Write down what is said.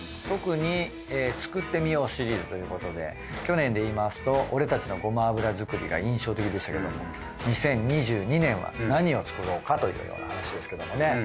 特に作ってみようシリーズということで去年で言いますと俺たちのごま油作りが印象的でしたけども２０２２年は何を作ろうかというお話ですけどもね。